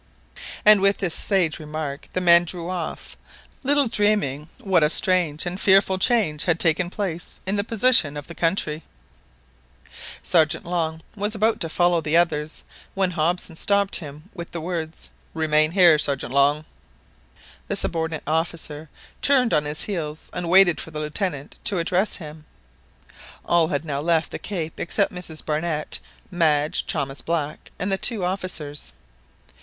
And with this sage remark the men drew off, little dreaming what a strange and fearful change had taken place in the position of the country. Sergeant Long was about to follow the others when Hobson stopped him with the words— "Remain here, Sergeant Long." The subordinate officer turned on his heel and waited for the Lieutenant to address him. All had now left the cape except Mrs Barnett, Madge, Thomas Black, and the two officers.